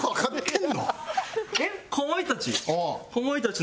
えっ？かまいたち。